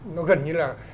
nó gần như là